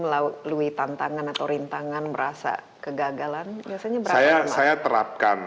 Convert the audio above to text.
setelah melalui tantangan atau rintangan merasa kegagalan